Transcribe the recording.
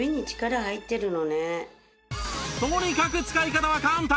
とにかく使い方は簡単！